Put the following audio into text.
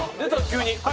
急に。